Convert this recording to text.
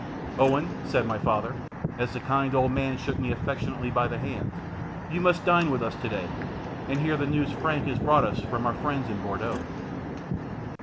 "Owen," said my father, as the kind old man shook me affectionately by the hand, "you must dine with us to day, and hear the news Frank has brought us from our friends in Bourdeaux."